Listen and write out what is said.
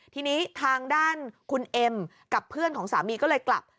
ทีนี้ทางด้านคุณเอ็มกับเพื่อนของสามีก็เลยกลับ